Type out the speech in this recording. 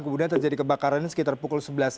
kemudian terjadi kebakaran ini sekitar pukul sebelas